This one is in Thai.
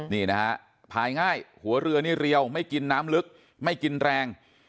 นี่นะฮะพายง่ายหัวเรือนี่เรียวไม่กินน้ำลึกไม่กินแรง